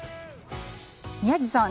宮司さん